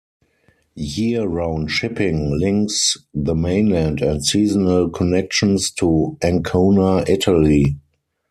Year-round shipping links the mainland and seasonal connections to Ancona, Italy.